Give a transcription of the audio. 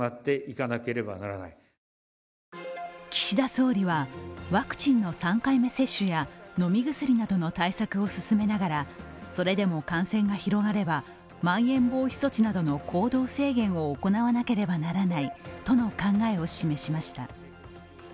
岸田総理はワクチンの３回目接種や飲み薬などの対策を進めながら、それでも感染が広がれば、まん延防止措置の行動制限を行わなければならないとの考えを示しました。